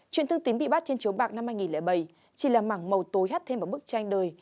chuyện thương tín bị bắt trên chiếu bạc năm hai nghìn bảy chỉ là mảng màu tối hát thêm một bức tranh đời